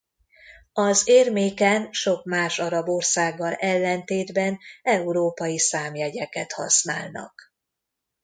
Az érméken sok más arab országgal ellentétben európai számjegyeket használnak.